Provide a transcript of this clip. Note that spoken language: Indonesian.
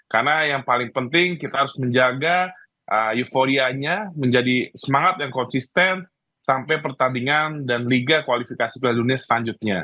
karena yang paling penting kita harus menjaga euforianya menjadi semangat yang konsisten sampai pertandingan dan liga kualifikasi piala dunia selanjutnya